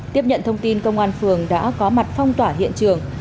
tiếp nhận thông tin công an phường đã có mặt phong tỏa hiện trường